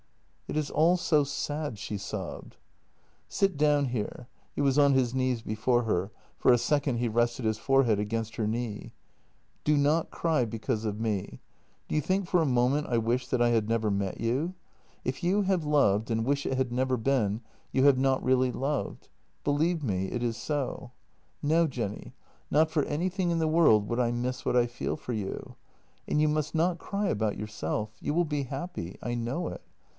" "It is all so sad," she sobbed. " Sit down here." He was on his knees before her — for a second he rested his forehead against her knee. " Do not cry because of me. Do you think for a moment I wish that I had never met you? If you have loved, and you JENNY 189 wish it had never been, you have not really loved. Believe me, it is so. No, Jenny, not for anything in the world would I miss what I feel for you! " And you must not cry about yourself. You will be happy. I know it.